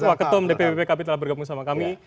waktum dppbkb telah bergabung sama kami